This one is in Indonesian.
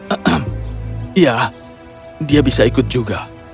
ehem ya dia bisa ikut juga